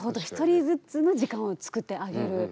ひとりずつの時間を作ってあげる。